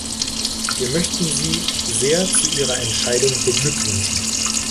Wir möchten Sie sehr zu Ihrer Entscheidung beglückwünschen.